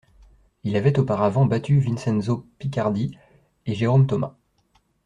Il avait auparavant battu Vincenzo Picardi et Jérôme Thomas.